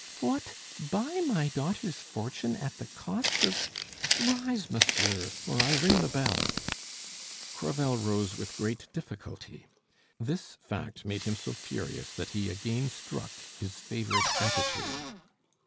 "What, buy my daughter's fortune at the cost of ? Rise, monsieur or I ring the bell." Crevel rose with great difficulty. This fact made him so furious that he again struck his favorite attitude.